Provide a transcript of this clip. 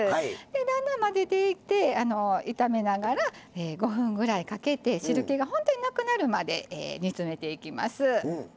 だんだん混ぜていって炒めながら、５分ぐらいかけて汁けが本当になくなるまで煮詰めていきます。